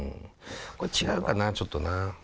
これ違うかなちょっとな。